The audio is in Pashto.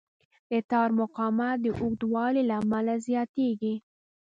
د تار مقاومت د اوږدوالي له امله زیاتېږي.